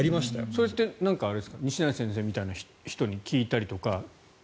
それって西成先生みたいな人に聞いたりとか。